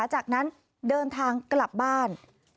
จากนั้นเดินทางกลับบ้าน